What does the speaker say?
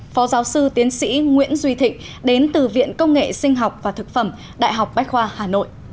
phó giáo sư tiến sĩ nguyễn duy thịnh đến từ viện công nghệ sinh học và thực phẩm đại học bách khoa hà nội